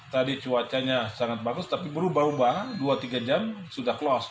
tadi cuacanya sangat bagus tapi berubah ubah dua tiga jam sudah close